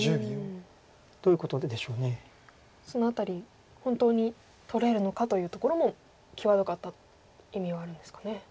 その辺り本当に取れるのかというところも際どかった意味があるんですかね。